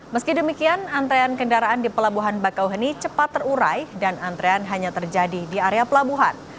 meski demikian antrean kendaraan di pelabuhan bakauheni cepat terurai dan antrean hanya terjadi di area pelabuhan